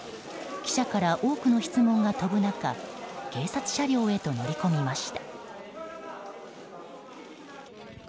記者から多くの質問が飛ぶ中警察車両へと乗り込みました。